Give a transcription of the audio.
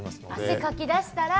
汗かきだしたら。